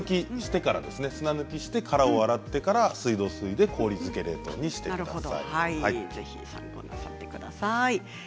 砂抜きしてから殻を洗ってから水道水で氷漬け冷凍にしてください。